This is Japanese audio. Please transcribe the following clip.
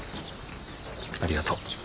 ありがとう。